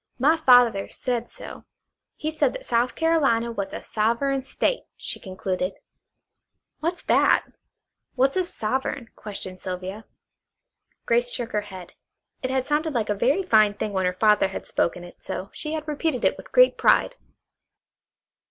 My father said so. He said that South Carolina was a Sovereign State," she concluded. "What's that? What's a 'sovereign'?" questioned Sylvia. Grace shook her head. It had sounded like a very fine thing when her father had spoken it, so she had repeated it with great pride.